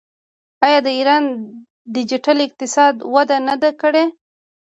آیا د ایران ډیجیټل اقتصاد وده نه ده کړې؟